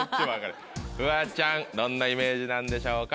フワちゃんどんなイメージなんでしょうか？